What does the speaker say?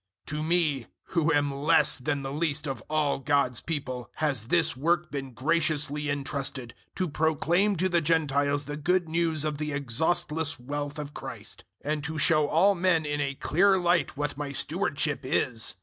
003:008 To me who am less than the least of all God's people has this work been graciously entrusted to proclaim to the Gentiles the Good News of the exhaustless wealth of Christ, 003:009 and to show all men in a clear light what my stewardship is.